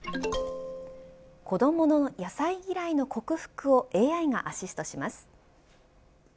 子どもの野菜嫌いの克服をＡＩがアシストします。